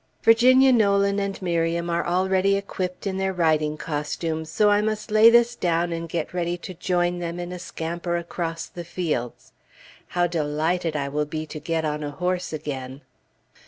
Virginia Nolan and Miriam are already equipped in their riding costumes, so I must lay this down and get ready to join them in a scamper across the fields. How delighted I will be to get on a horse again.